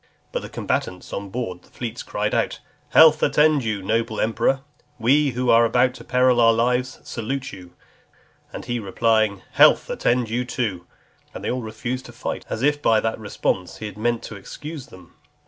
But the combatants on board the fleets crying out, "Health attend you, noble emperor! We, who are about to peril our lives, salute you;" and he replying, "Health attend you too," they all refused to fight, as if by that response he had meant to excuse them.